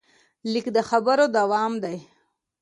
لیک د خبرو دوام دی.